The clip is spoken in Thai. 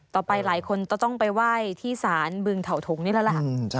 ต่อไปหลายคนก็ต้องไปไหว้ที่สารบึงเถาถงนี่แล้วล่ะ